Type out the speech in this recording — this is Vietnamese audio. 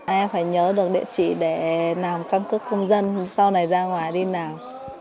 em phải nhớ được địa chỉ để làm căn cước công dân sau này ra ngoài đi nào